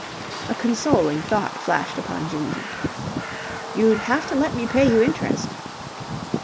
A consoling thought flashed upon Ginger. "You'd have to let me pay you interest."